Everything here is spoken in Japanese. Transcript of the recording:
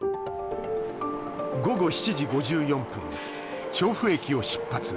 午後７時５４分調布駅を出発。